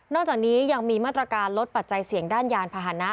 จากนี้ยังมีมาตรการลดปัจจัยเสี่ยงด้านยานพาหนะ